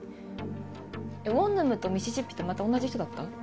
「をんぬむ」と「ミシシッピ」とまた同じ人だった？